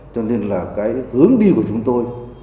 cho nên là cái hướng đi của chúng tôi